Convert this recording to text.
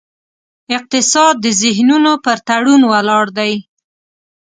اقتصاد د ذهنونو پر تړون ولاړ دی.